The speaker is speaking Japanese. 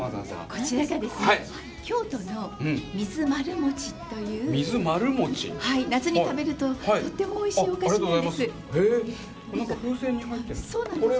こちらがですね、京都の水まる餅という、夏に食べるととってもおいしいお菓子なんありがとうございます。